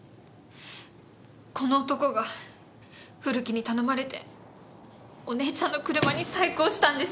この男が古木に頼まれてお姉ちゃんの車に細工をしたんです。